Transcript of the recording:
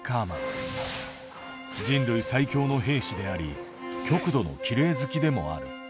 人類最強の兵士であり極度のきれい好きでもある。